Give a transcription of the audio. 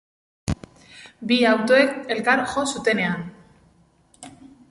Bi autoek elkar jo zutenean.